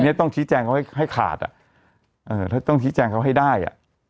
อันนี้ต้องชี้แจงเขาให้ขาดต้องชี้แจงเขาให้ได้